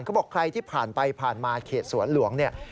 เขาบอกใครที่ผ่านไปผ่านมาเขตสวนหลวงเนี่ย